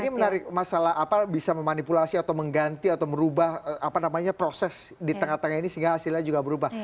ini menarik masalah apa bisa memanipulasi atau mengganti atau merubah proses di tengah tengah ini sehingga hasilnya juga berubah